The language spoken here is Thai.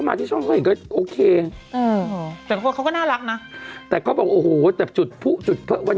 ไม่เบกแล้วจบแล้ว